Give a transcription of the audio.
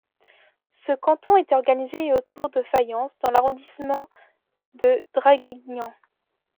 Ce canton était organisé autour de Fayence dans l'arrondissement de Draguignan.